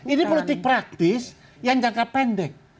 ini politik praktis yang jangka pendek